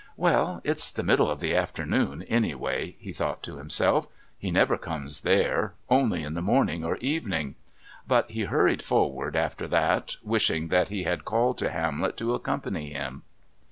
"Well, it's the middle of the afternoon, anyway." He thought to himself, "He never comes there only in the morning or evening," but he hurried forward after that, wishing that he had called to Hamlet to accompany him.